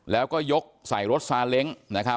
แล้วก็ยกใส่รถสาเล็ง